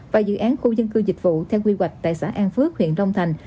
và dự án khu dân cư dịch vụ theo quy hoạch tại xã an phước huyện long thành